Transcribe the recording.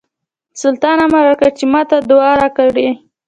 سلطان امر وکړ چې ماته دوا راکړي.